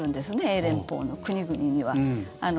英連邦の国々には。